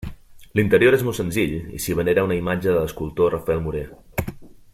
L'interior és molt senzill i s'hi venera una imatge de l'escultor Rafael Morer.